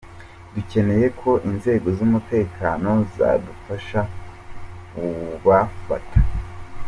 dukeneye ko inzego z’umutekano zadufasha kubafata.